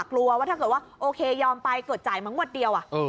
กลัวว่าถ้าเกิดว่าโอเคยอมไปเกิดจ่ายมางวดเดียว